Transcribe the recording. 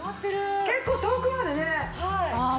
結構遠くまでね。